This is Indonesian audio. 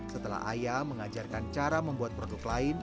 setelah ayah mengajarkan cara membuat produk lain